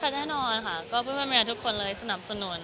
แน่นอนค่ะก็บริเวณเมียทุกคนเลยสนับสนุน